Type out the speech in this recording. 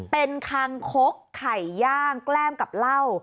เป็นคางคกไข่ย่างแกล้มกับเหล้า